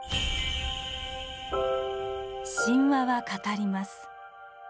神話は語ります。